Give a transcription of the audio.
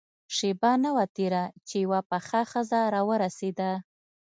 شېبه نه وه تېره چې يوه پخه ښځه راورسېده.